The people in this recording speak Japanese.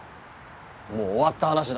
もう終わった話だ。